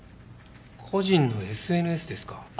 個人のＳＮＳですか。